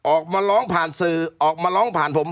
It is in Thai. ออกมาร้องผ่านสื่อออกมาร้องผ่านผม